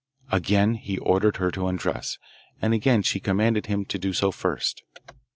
Again he ordered her to undress, and again she commanded him to do so first.